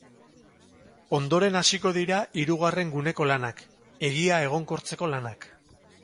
Ondoren hasiko dira hirugarren guneko lanak, hegia egonkortzeko lanak.